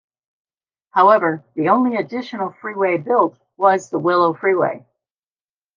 However, the only additional freeway built was the Willow Freeway.